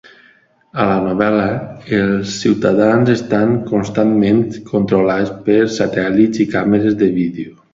A la novel·la, els ciutadans estan constantment controlats per satèl·lits i càmeres de vídeo.